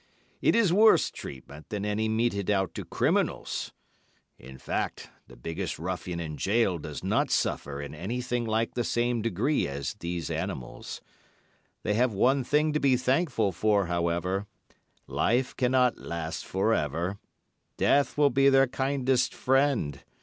It is worse treatment than any meted out to criminals; in fact, the biggest ruffian in jail does not suffer in anything like the same degree as these animals. They have one thing to be thankful for, however—life cannot last for ever. Death will be their kindest friend.